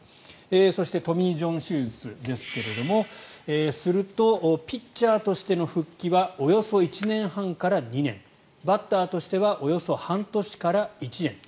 そしてトミー・ジョン手術ですがするとピッチャーとしての復帰はおよそ１年半から２年バッターとしてはおよそ半年から１年。